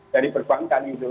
dari perbankan gitu